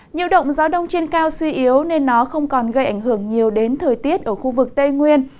nhiều động gió đông trên cao suy yếu nên nó không còn gây ảnh hưởng nhiều đến thời tiết ở khu vực tây nguyên